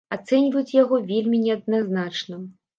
Ацэньваюць яго вельмі неадназначна.